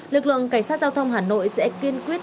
lực lượng cảnh sát giao thông hà nội sẽ kiên quyết